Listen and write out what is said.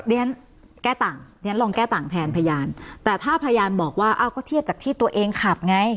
เรียนแก้ต่างเรียนลองแก้ต่างแทนพยานแต่ถ้าพยานบอกว่าอ้าวก็เทียบจากที่ตัวเองขับไง